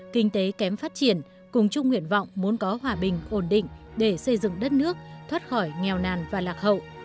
kinh tế kém phát triển cùng chung nguyện vọng muốn có hòa bình ổn định để xây dựng đất nước thoát khỏi nghèo nàn và lạc hậu